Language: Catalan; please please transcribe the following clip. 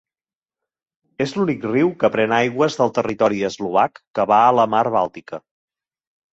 És l'únic riu que pren aigües del territori eslovac que va a la mar Bàltica.